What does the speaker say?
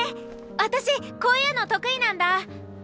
私こういうの得意なんだ。